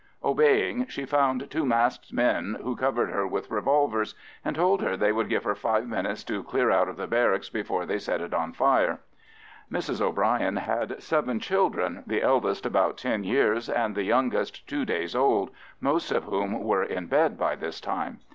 R.A. Obeying, she found two masked men, who covered her with revolvers, and told her they would give her five minutes to clear out of the barracks before they set it on fire. Mrs O'Bryan had seven children, the eldest about ten years and the youngest two days old, most of whom were in bed by this time.